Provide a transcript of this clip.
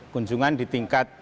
kunjungan di tingkat